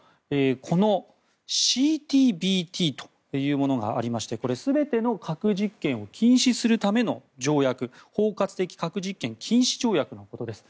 このＣＴＢＴというものがありまして全ての核実験を禁止するための条約包括的核実験禁止条約のことをいいます。